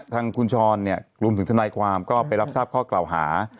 ทางคุณชรรวมถึงทนายความก็ไปรับทราบข้อกล่าวหา